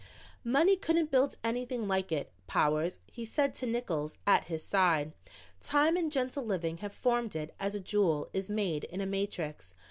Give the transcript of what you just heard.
"Money couldn't build anything like it, Powers," he said to Nickols at his side. "Time and gentle living have formed it as a jewel is made in a matrix.